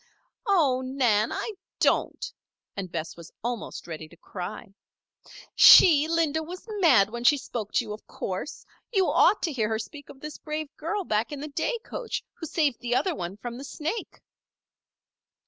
"Oh, Nan! I don't," and Bess was almost ready to cry. "She, Linda, was mad when she spoke to you, of course. You ought to hear her speak of this brave girl back in the day coach, who saved the other one from the snake."